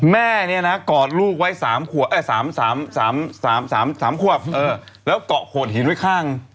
แม่เนี่ยนะกอดลูกไว้๓ขวบเออ๓ขวบเออแล้วก็กะโขดหินไว้ข้าง